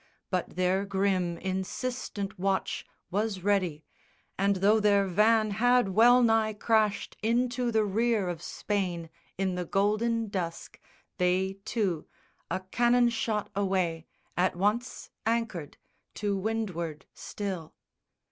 But their grim insistent watch Was ready; and though their van had wellnigh crashed Into the rear of Spain, in the golden dusk, They, too, a cannon shot away, at once Anchored, to windward still.